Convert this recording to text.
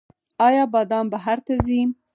آیا بادام بهر ته ځي؟